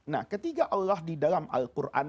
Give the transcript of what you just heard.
nah ketika allah di dalam al quran